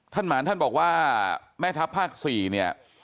หมานท่านบอกว่าแม่ทัพภาค๔เนี่ย